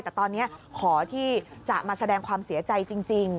แต่ตอนนี้ขอที่จะมาแสดงความเสียใจจริง